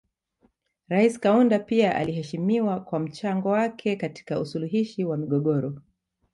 Rais Kaunda pia aliheshimiwa kwa mchango wake katika usuluhishi wa migogoro